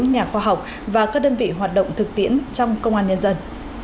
nhà khoa học và các đơn vị hoạt động thực tiễn trong công an nhân dân